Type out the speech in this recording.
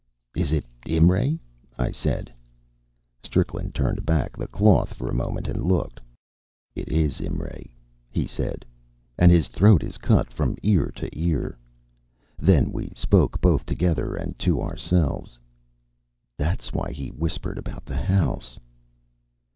"Is it Imray?" I said. Strickland turned back the cloth for a moment and looked. "It is Imray," he said, "and his throat is cut from ear to ear." Then we spoke both together and to ourselves: "That's why he whispered about the house."